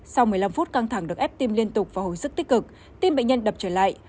sau một mươi năm phút căng thẳng được ép tim liên tục và hồi sức tích cực tim bệnh nhân đập trở lại